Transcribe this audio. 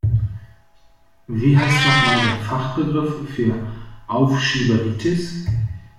Wie heißt noch mal der Fachbegriff für Aufschieberitis?